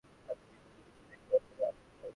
এখানে তো বিতর্কের কিছুই দেখতে পাচ্ছি না!